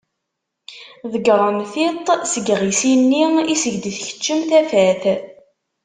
Ḍegreɣ tiṭ seg yiɣisi-nni iseg d-tkeccem tafat.